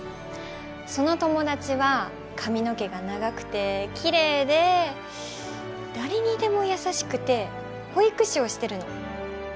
その友達は髪の毛が長くてきれいで誰にでも優しくて保育士をしているの。